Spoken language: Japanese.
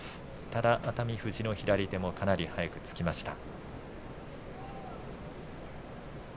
ただ、熱海富士の左手もかなり早く着きました。